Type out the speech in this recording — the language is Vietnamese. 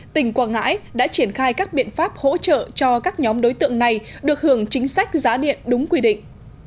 tỉnh quảng ngãi đã triển khai các biện pháp hỗ trợ cho các nhóm đối tượng này được hưởng chính sách giá điện đúng quy định